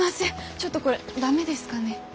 ちょっとこれ駄目ですかね。